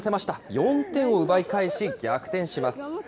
４点を奪い返し逆転します。